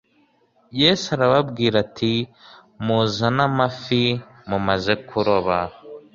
"Yesu arababwira ati: muzane amafi mumaze kuroba."